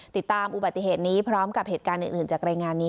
ติดตามอุบัติเหตุนี้พร้อมกับเหตุการณ์อื่นจากรายงานนี้